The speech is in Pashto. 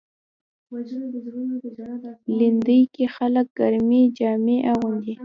لېندۍ کې خلک ګرمې جامې اغوندي.